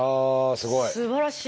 すばらしい。